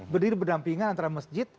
berdiri berdampingan antara masjid